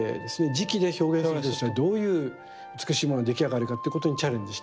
磁器で表現するとしたらどういう美しいものに出来上がるかということにチャレンジしていた。